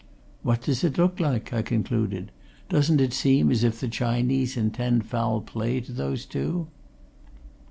"What does it look like?" I concluded. "Doesn't it seem as if the Chinese intend foul play to those two?"